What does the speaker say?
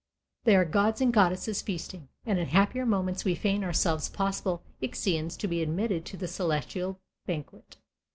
They are gods and goddesses feasting, and in happier moments we feign ourselves possible Ixions to be admitted to the celestial banquet.